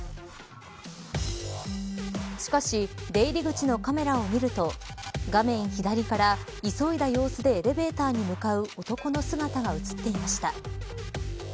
しかし出入り口のカメラを見ると画面左から急いだ様子でエレベーターに向かう男の姿が映っていました。